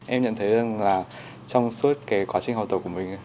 em nhận thấy rằng là trong suốt cái quá trình học tập của mình